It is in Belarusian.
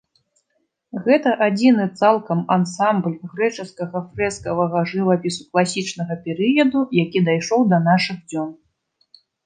Гэта адзіны цалкам ансамбль грэчаскага фрэскавага жывапісу класічнага перыяду, які дайшоў да нашых дзён.